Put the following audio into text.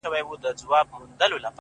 • هر مرغه به یې حملې ته آماده سو ,